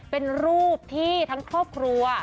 เป็นรูปที่ทั้งครอบครัว